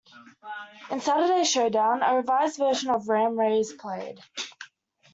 In "Saturday Showdown", a revised version of Ram Ray is played.